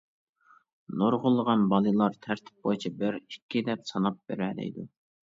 نۇرغۇنلىغان بالىلار تەرتىپ بويىچە بىر، ئىككى دەپ ساناپ بېرەلەيدۇ.